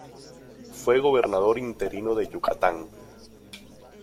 Fue gobernador interino de Yucatán.